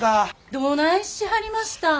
どないしはりました？